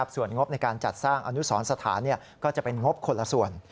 ส่วนงบในการจัดสร้างอนุสรสถานก็จะเป็นงบคนละส่วน